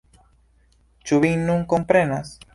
Ĉu vi nun komprenas?